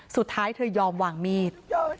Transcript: สุดท้ายเธอยอมวางมีด